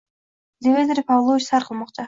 Lavrentiy Pavlovich sayr qilmoqda.